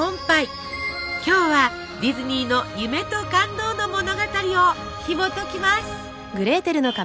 今日はディズニーの夢と感動の物語をひもときます。